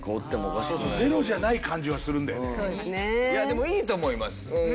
でもいいと思います。